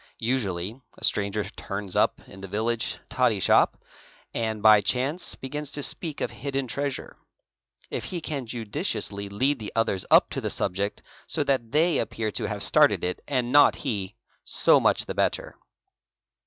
Usually a stranger turns up in the village toddy shop and, by chance, begins to speak of hidden treasure; if he can judi ciously lead the others up to the subject so that they appear to have ste ted it and not he, so much the better.